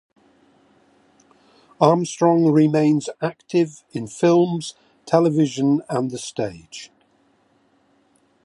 Armstrong remains active in films, television, and the stage.